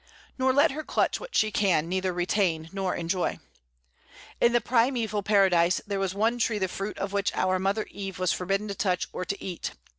Nor let her clutch what she can neither retain nor enjoy. In the primeval Paradise there was one tree the fruit of which our mother Eve was forbidden to touch or to eat.